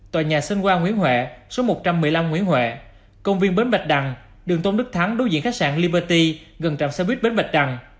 tòa nhà sơn hoa nguyễn huệ công viên bến bạch đằng đường tôn đức thắng đối diện khách sạn liberty gần trạm xe buýt bến bạch đằng